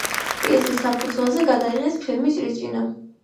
პიესის საფუძველზე გადაიღეს ფილმი ჭრიჭინა.